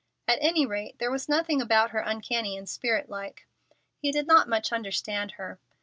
At any rate there was nothing about her uncanny and spirit like. He did not understand her.